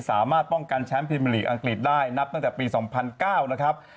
สามารถป้องกันแชมป์พรีเมอร์ลีกอังกฤษได้นับตั้งแต่ปี๒๐๐๙นะครับ